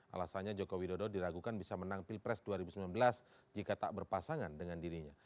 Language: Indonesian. alasannya joko widodo diragukan bisa menang pilpres dua ribu sembilan belas jika tak berpasangan dengan dirinya